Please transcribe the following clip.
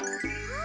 あ！